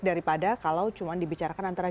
daripada kalau cuma dibicarakan antara